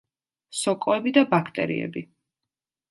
სოკოები და ბაქტერიები.